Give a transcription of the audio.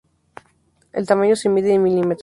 El tamaño se mide en milímetros.